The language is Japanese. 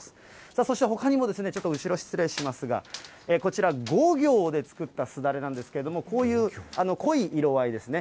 さあ、そしてほかにもちょっと後ろ失礼しますが、こちら、ゴギョウで作ったすだれなんですけれども、こういう濃い色合いですね。